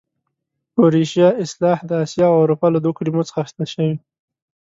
اوریشیا اصطلاح د اسیا او اروپا له دوو کلمو څخه اخیستل شوې.